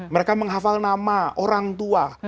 mereka menghafal nama orang tua